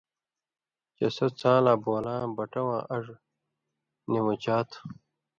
چے سو څاں لا (بو لاں) بٹہ واں اڙوۡ نی مُچا تُھو؛